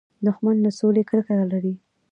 دښمن له سولې کرکه لري